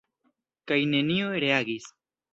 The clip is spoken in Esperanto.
Kaj neniu reagis.